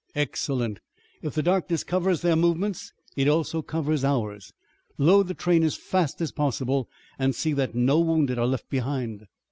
"Excellent. If the darkness covers their movements it also covers ours. Load the train as fast as possible and see that no wounded are left behind."